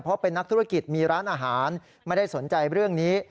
เพราะเป็นนักธุรกิจมีร้านอาหารไม่ได้สนใจเรื่องนี้